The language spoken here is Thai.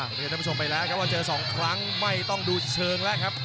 เพื่อนด้านผู้ชมไปแลกว่าเจอสองครั้งไม่ต้องดูเชิงแล้วครับ